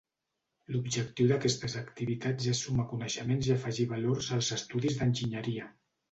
L'objectiu d'aquestes activitats és sumar coneixements i afegir valors als estudis d'enginyeria.